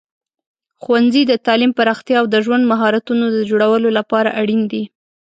ښوونځي د تعلیم پراختیا او د ژوند مهارتونو د جوړولو لپاره اړین دي.